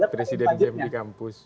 presiden bem di kampus